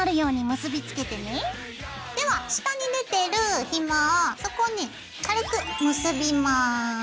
では下に出てるひもをそこをね軽く結びます。